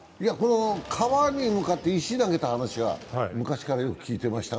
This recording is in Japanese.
川に向かって石投げた話は昔からよく聞いてました。